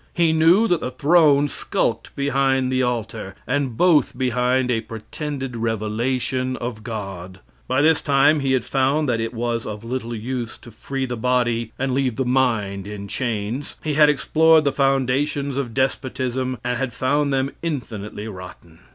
He knew that the throne skulked behind the altar, and both behind a pretended revelation of God. By this time he had found that it was of little use to free the body and leave the mind in chains. He had explored the foundations of despotism, and had found them infinitely rotten.